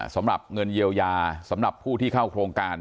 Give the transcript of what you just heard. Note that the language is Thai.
สำหรับเงินเยียวยาสำหรับผู้ที่เข้าโครงการ